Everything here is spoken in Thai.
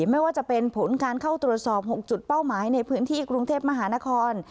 ไม่ว่าจะเป็นผลการเข้าตรวจสอบ๖จุดเป้าหมายในพื้นที่กรุงเทพมหานคร